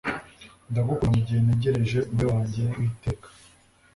Ndagukunda mugihe ntegereje umugore wanjye witeka